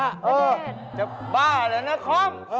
ณเดชน์จะบ้าหรือนะคอม